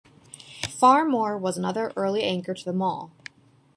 Phar-Mor was another early anchor to the mall.